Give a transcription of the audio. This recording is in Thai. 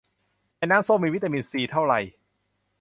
ในน้ำส้มมีวิตามินซีเท่าไร